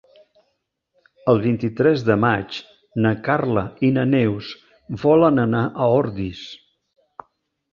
El vint-i-tres de maig na Carla i na Neus volen anar a Ordis.